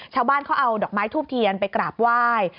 ชาวบ้านเขาเอาดอกไม้ทูบเทียนไปกราบไหว้